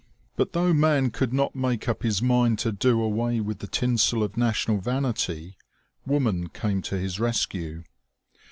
But though man could not make up his mind to do away with the tinsel of national vanity, woman came to his rescue.